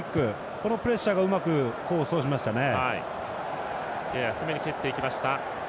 このプレッシャーがうまく功を奏しましたね。